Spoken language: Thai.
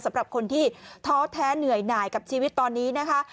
สำหรับคนที่ท้อแท้เหนื่อยหน่ายกับชีวิตตอนนี้นะคะ